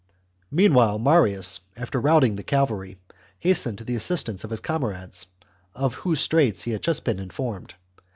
Meanwhile Marius, after routing the cavalry, hastened to the assistance of his comrades, of whose straits he had just been informed.